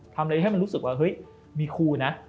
ทำอะไรให้มันรู้สึกว่าเฮ้ยมีครูนะ